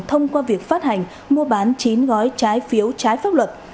thông qua việc phát hành mua bán chín gói trái phiếu trái pháp luật